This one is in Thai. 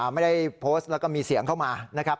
ไม่ได้โพสต์แล้วก็มีเสียงเข้ามานะครับ